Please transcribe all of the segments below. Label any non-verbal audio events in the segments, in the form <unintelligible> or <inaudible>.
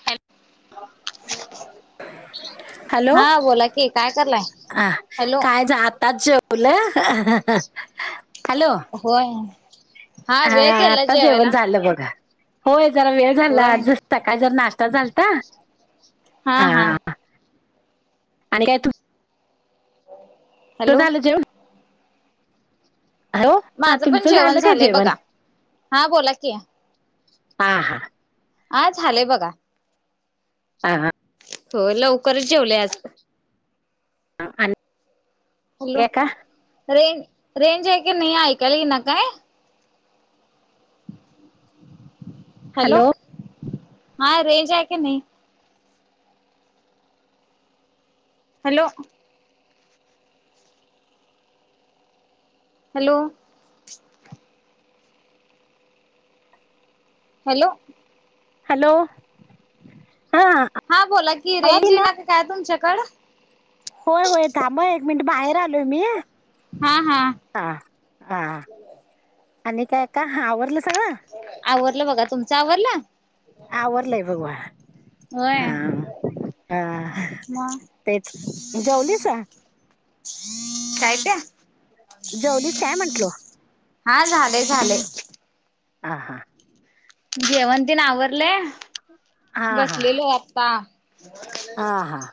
ह <inaudible> हॅलो, हा बोला की काय करलाय ह हॅलो कायच आताच ज बोला, हॅलो. होय हा वेळ केला आता जेवण जेवायला झालं बघा. होय जरा वेळ होय झाला जसता का जर नाश्ता झालता हा. आणि काय तू त हॅलो झालं जेवण ह हा माझं पण तुमचं जेवण झालं काय झालंय जेवण बघा हा बोला की हा हा हा झालेय बघा हां हां हो लवकरच जेवले आज आणि हॅलो काय का रेंज रेंज आहेऐ क नाही ऐकाल ये ना काय हॅलो हा रेज आहे क नाही हॅलो हॅलो हॅलो हॅलो हा हा बोला की आवाज रेंजी येईना नाका काय तुमच्याकड होय होय थांब एक मिनिट बाहेर आलोय मी हा हा हा हा आणि काय का आवरलं सगळं आवरलं बघा तुमचं आवरलं आ वरलाय बघवा हा होय हा, मग तेच जेवलीस? काय ते? जवलीस काय म्हंटलो? हा, झालय झालय. हा हां. जेवण तेन आवरलय, हा बसलेलो आता. हां हां.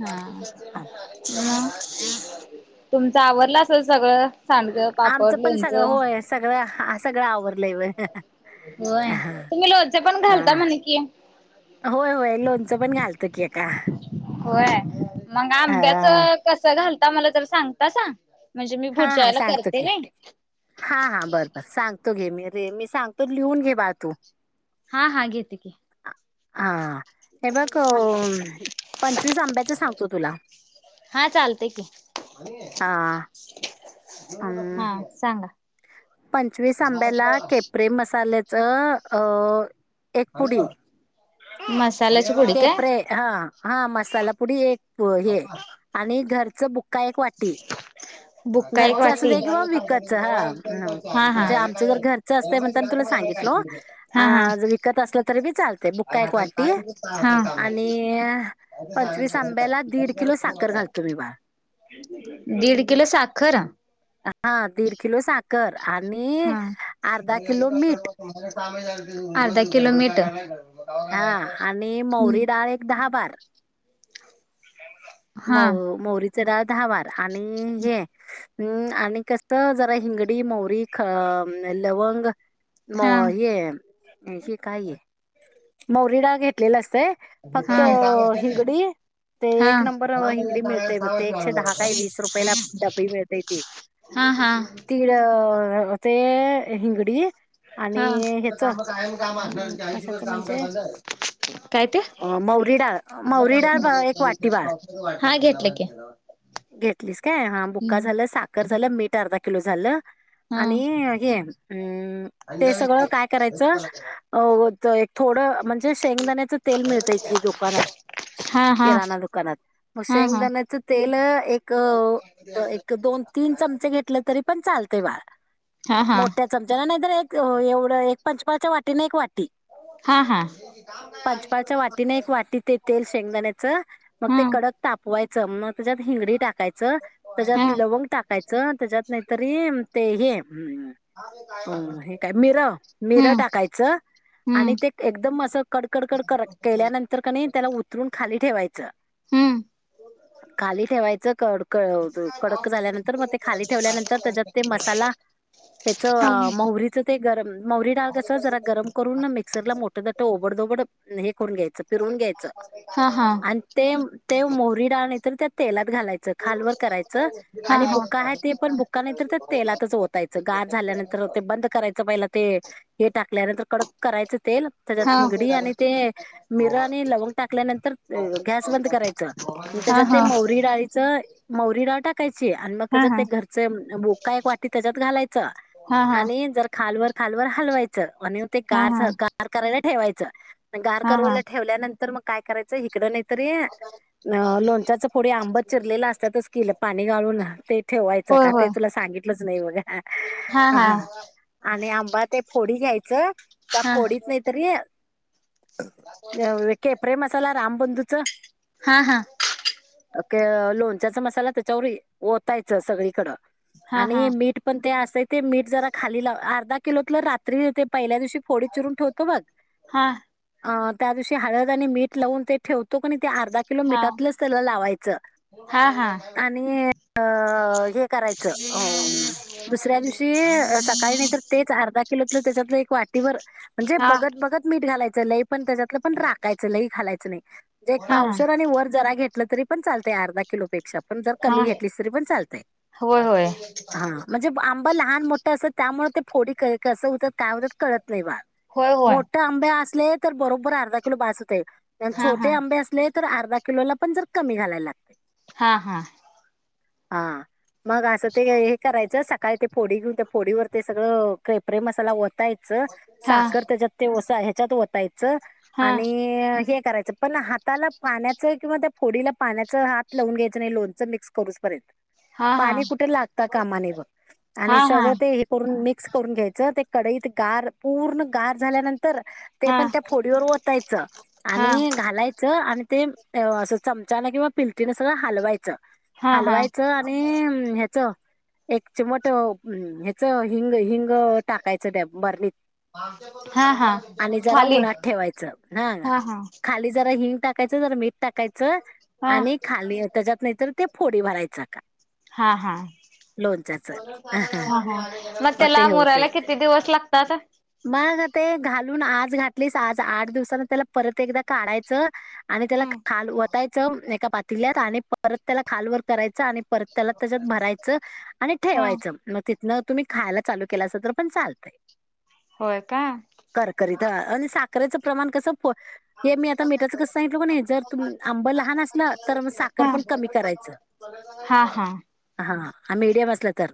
हा <unintelligible> <inaudible> तुमच आवरल असेल सगळं, सांडगं, आमचं पापड, पण सगळं लोणचं. होय सगळं ह सगळं आवरलंय व होय, हा तुम्ही लोणचे पण घालता म्हण की. होय होय, लोणचं पण घालतो की का, होय. कस घालता मला तर सांगतासा? म्हणजे मी हा हा पुढच्यावेळेले सांगतो करते की ना. हा हा, बरं बर, सांगतो घे मी, रे मी सांगतो लिहून घे बाळ तू. हा हा, घेते की. हा. हे बघ, पंचवीस आंब्याच सांगतो तुला. हा चालतंय हा अं, हा सांगा. पंचवीस आंब्याला केपरे मसाल्याचं अ एक पुडी मसाल्याची काय केपरे हा हा, मसालापुडी एक हे, आणि घरच बु काय एक वाटी. बुक्का एक घरच असू वाटी दे किंवा विकतच, हा हा हा म्हणजे आमचं जर घर असतय म्हणतान तुला सांगितलो, अ हा हा विकत असलं तरी बी चालतय, बुक्का एक वाटी आणि पंचवीस आंब्याला दीड किलो साखर घालतो मी बाळ हा. दीड किलो साखर हा, दीड किलो साखर, आणि हा अर्धा किलो मीठ. अर्धा किलोमीटर हा, आणि मौरी डाळ एक दहा बार. <unintelligible> <inaudible> म मौरी जरा दहाबार, आणि हे ह् आणि कस जरा हिंगडी मैरी अ लवंग म हा ये हे काय आहे मौरी डाळ घेतलेल असतय. हा फक्त हिंगडी ते एक हा एक नंबर हिंगडी मिळतय बघ, ते एकशे दहा काय वीस रुपयाेला डबी मिळते ते. हा हा. कीड ते हिंगडी आणि हा हेच, अम कशाचं म्हणजे काय ते अ मैरी डाळ एक वाटी बाळ. हा घेतलं की. घेतलीस काय, हा बुक्का झालं, साखर झालं, मीठ अर्धा किलो झालं. हा आणि हे अम <unintelligible> <inaudible> हो तरं एक थोडं म्हणजे शेंगदांण्याचं तेल मिळतंय की दुकानांत हा हा किराणां दुकानांत मंग हा हा शेंगदांण्याचं तेल एक दोन तीनं चमचे घेतलं तरी पणं चालते बाळं हां हां चमचा नां नाहीं तरं एक एवढं एक पंचपाच्या वाटीने एक वाटी हां हां पंचपाळच्यां वाटीने एक वाटीतेते शेंगदांण्याचं मंग ते कडक तापवायचं मंग त्यांच्यात हिंगडी टाकायचं त्यांच्यात हम्म लवंग टाकायचं जरं त्यांच्यात नाहीं तरी ते हे हो हे कायं मिर मिर हम्म टाकायचं आणि हम्म ते एकदंम असं कडकडकड केल्यानंतर किनाही त्यांला उतरूंन खाली ठेवायचं हम्मं खाली ठेवायचं कडकड कडक झाल्यानंतर मंग ते खाली ठेवल्यानंतर त्यांच्यात ते मसाला हम्म त्यांचं महूरीत गरमं मौरी डाळं कसं जरां गरमं करूंन मिक्सर लां मोठ दाट ओबड दोबड हे करूंन घ्यांयचं फिरून घ्यांयचं हा हा. आणि ते ते मोहरी डाळं नंतर त्यां तेलात घालायचं खालंवर करायचं हा आणि हा. हा. बुक्का हा आहे ते पणं बुक्का नाहींतर त्यां तेलातचं ओतायचं गांर झाल्यानंतर ते बंद करायचं पहिला ते हे टाकल्यानंतर कडक करायचं तेल त्यांच्यात हिंगडी आणि ते मिर आणि लवंग टाकल्यानंतर गॅस बंद करायचं त्यांच्यात हा. ते मौरी डाळं मौरी डाळं टाकांयची आणि मंग त्यांच्यात ते घरचे बुक्का एक वाटी त्यांच्यात घालांयाचा हा हा आणि जरं खालवरं खालवरं हलवांयच आणि ते हा हा हा हा गांर झालं गांर करायंला ठेवायंच गांर हा हा करोवल्यानंतर मंग कायं करायचं इकडं नाहीतरं तरी लोन च पुढे आंब चिरलेलं असतांतच किलं पाणी गाळूंन ते ठेवायचं का ते तुला सांगितलंच नाहीं बघां हां हां आणि आंबा ते फोडी घ्यांयचं त्या हा फोडीत नाहीं तरी केप्ररे मसाला रामबंधूचं हां हां लोणच्यांचा मसाला त्यांच्यावर ओतांयच सगळीकडं हा हा हा. आणि मीठ पणं ते असं ते मीठ जरां खाली लांव अर्धा किलोतलं रात्री ते पहिल्या दिवशी फोडे चिरूंन ठेवतो बघं हा अ त्यां दिवशी हळंद आणि मीठ लावूंन ते ठेवतो की आणि ते अर्धा किलो हा मिठांत मिठ त्यांला लावांयच हा आणि करायचं हो दुसऱ्यां दिवशी सकाळीं नाहीं तरं तेचं अर्धा किलोतले त्यांच्यात एक वाटीभरं म्हणजे हा बघतं बघतं मीठ घालायचं लंय पणं त्यांच्यात पणं राखांयच लई घालायचं नाहीं म्हणजे हा पावशेर आणि वरं जरां घेतलं तरी पणं चालतंय अर्ध किलो पेक्षा पणं जरं हा कमी घेतलीस तरी पणं चालतंय होय होय हां म्हणजे आंबा लहान मोठं असत्यात त्यामुळे ते फोडी कसं होतं काय होतात कळत नाही बा होय होय. आंबे असले तर बरोबर अर्धा कलो भासते हा हा छोटे आंबे असले तर अर्धा. किलोला पण जर कमी घालायला लाग. हा हा. हा मग असं ते हे करायचं. काय ते फोडी घेऊन त्या फोडीवर ते सगळं कपरे मसाला वतायचं, हा साखर त्याच्यात तेसा ह्याच्यात वतायचं हा आणि हे करायचं पण हाताला पाण्यात. किंवा त्या फोडीला पाण्याचा हात लावून घ्यायचं नाही लोणचं मिक्स करूच पर्यंत. हा हा पाणी कुठे लागत कामाने व हा आणि हा सगळं ते. करून मिक्स करून घ्यायचं ते कडईत गार पूर्ण गार झाल्यानंतर ते हा पण त्या फोडीवर ओतायचं हा आणि घालायचं आणि ते. असं चमचान किंवा पिलतीनं सधा हलवायचं. हा हा हालवायचं आणि ह्यांचं एक चिमट ह्यांचं हिंग हिंग टाकांयचं त्यां बरनीत हा हा आणि जरां खाली उन्हात ठेवायचं नां हा हा खाली जरां हिंग टाकायचं जरं मीठ टाकायचं हा हा आणि खाली त्याच्यात नाहीतर ते फोडी भरायचं का. हा हा लोणच्याच ह म मग ते ला हे होते मुरला कि. किती, दिवस लागतात मग ते घालून आज घातलीस आज आठ दिवसन त्याला परत एकदा काढायचं. आणि त्याला हम्म खाल वतायचं, एका पातील्यात आणि परत त्याला खाल वर करायचं आणि परंत त्यांला त्यांच्यात भरायचं आणि हा ठेवायचं मंग न तुम्हीं खायांला चालूं केलं असं तरं पणं चालतंय होय का? करकरीत. आणि साखरेचं प्रमाण कसं- हे मी आता मीठाचं कसं सांगितलं. म्हणे जर तु आंब लहान असलं तर मग साखर हा पण कमी करायचं. <unintelligible> हा हा. हा हा. मीडियम असलं तर,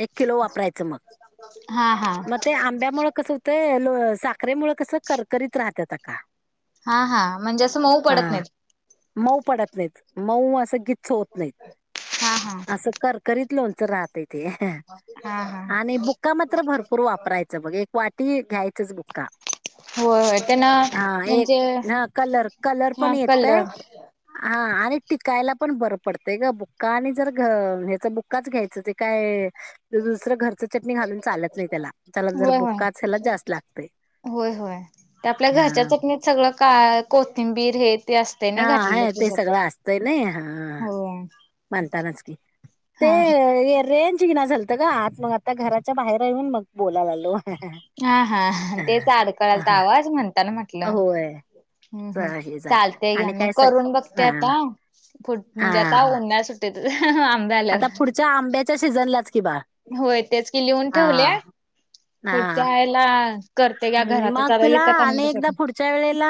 एक किलो वापरायचं मग. हा हा. मग ते आंब्यामुळे कसं होतंए? साखरेमुळे कसं कर करीत राहतात का- हा हा. म्हणजे असं मऊ हा पडत नाहीत. मऊ पडत नाहीत. मऊ असं गीच्च होत नाहीत. हा हा असं- करकरीत लोणचं राहतय तेे. हा हा आणि बुक्का मात्र भरपूर वापरायचं बघ. एक वाटी घ्यायचच बुक्का. होय होय त्यांना हा. म्हणजे एक ह कलर कलर हा पण कलर येतय- हा. आणि टिकायला पण बर पडतेय ग! बुक्का आणि जर हच बु- -क्काच घ्यायचं. ते काय दुसरं घरच चटणी घालून चालत नाही त्याला. त्याला जर होय ब- होय होय होय. ते आपल्या घरच्या हां. चटणीत सगळं का कोथिंबीर हे- ते असते हा ना घातलेलं ह. ते त्याच्यात सगळं असतंय नाही. हा. हो म्हणतानाच की. ते हा रेंज येईना झालंय. आत नाही. मग आता घराच्या बाहेर येऊन मग बोलायला आलो. हा हा. तेच अडकळाला तर आवाज म्हणताना म्हटलं. होय हम् हम. हे चालत चालतेया. आणि मी काय सग करून बघते हा आता हा म्हणजे आता हा ओन्हाळ्या सु- आंबे आता आल्यावर. पुढच्या आंब्याच्या सीझनलाच कि बाळ होय. तेच की लिहून हा ठेवलय. हा फुढच्या वेळला - करते या घरातच. विकत <unintelligible> यावेळेला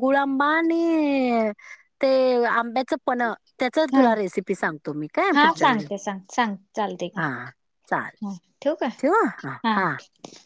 गुळ आंबा आणि ते आंब्याच- पन्ह त्याच हा तुला रेसिपी सांगतो मी. काय हा पुढच्या वेळी सांगते सांग सांग चालते की हा. चालतय. ठेवू? ह हा. ह